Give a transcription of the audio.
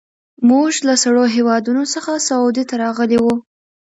موږ له سړو هېوادونو څخه سعودي ته راغلي وو.